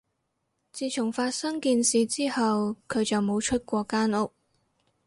自從發生件事之後，佢就冇出過間屋